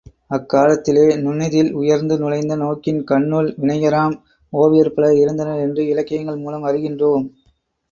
அக்காலத்தே நுண்ணிதில் உயர்ந்து நுழைந்த நோக்கின் கண்ணுள் வினைஞராம் ஓவியர் பலர் இருந்தனர் என்று இலக்கியங்கள் மூலம் அறிகின்றோம்.